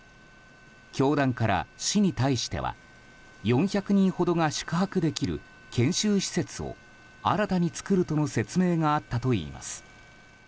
教団から市に対しては４００人ほどが宿泊できる研修施設を新たに作るとの説明があったといいます。